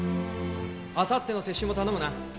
あさっての撤収も頼むな。